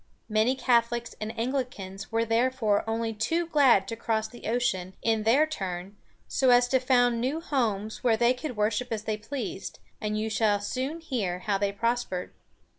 Many Catholics and Anglicans were therefore only too glad to cross the ocean, in their turn, so as to found new homes where they could worship as they pleased; and you shall soon hear how they prospered.